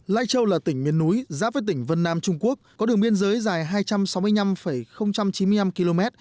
lai châu là tỉnh miền núi giáp với tỉnh vân nam trung quốc có đường biên giới dài hai trăm sáu mươi năm chín mươi năm km